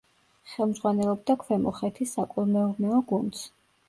ხელმძღვანელობდა ქვემო ხეთის საკოლმეურნეო გუნდს.